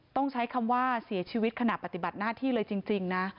ต้องใช้คำว่าเสียชีวิตขณะปฏิบัติหน้าที่เลยจริงนะ